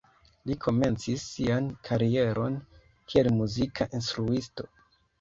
Li komencis sian karieron kiel muzika instruisto.